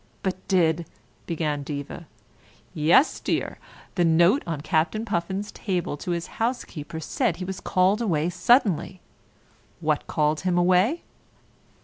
"But did " began Diva. "Yes, dear, the note on Captain Puffin's table to his housekeeper said he was called away suddenly. What called him away?